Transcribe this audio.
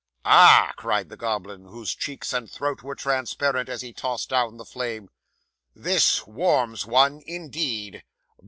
'"Ah!" cried the goblin, whose cheeks and throat were transparent, as he tossed down the flame, "this warms one, indeed!